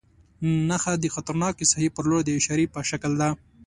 نښه د خطرناکې ساحې پر لور د اشارې په شکل ده.